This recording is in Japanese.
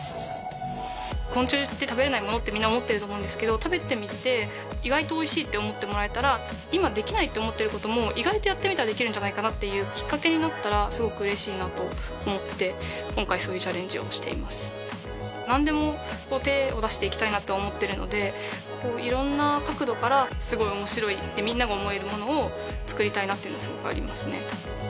昆虫って食べれないものってみんな思ってると思うんですけど食べてみて意外とおいしいって思ってもらえたら今できないって思ってることも意外とやってみたらできるんじゃないかなっていうきっかけになったらすごく嬉しいなと思って今回そういうチャレンジをしていますなんでも手を出していきたいなって思ってるのでいろんな角度からすごい面白いってみんなが思えるものをつくりたいなっていうのがすごくありますね